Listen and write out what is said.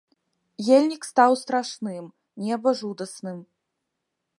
Ельнік стаў страшным, неба жудасным.